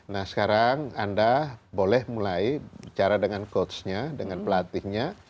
nah sekarang anda boleh mulai bicara dengan coach nya dengan pelatihnya